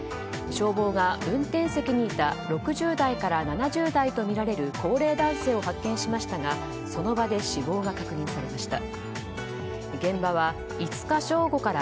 消防が運転席にいた６０代から７０代とみられる高齢男性を発見しましたがその場で死亡が確認されました。